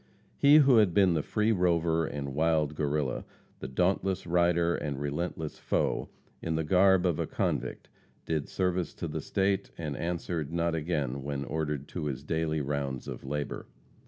He who had been the free rover and wild Guerrilla, the dauntless rider and relentless foe, in the garb of a convict did service to the State, and answered not again when ordered to his daily rounds of labor.